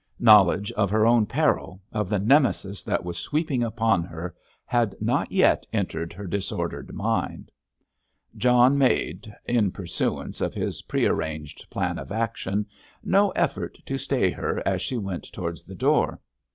Knowledge of her own peril, of the Nemesis that was sweeping upon her, had not yet entered her disordered mind. John made—in pursuance of his prearranged plan of action—no effort to stay her as she went towards the door.